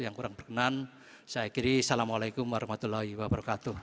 yang kurang berkenan saya kiri assalamualaikum warahmatullahi wabarakatuh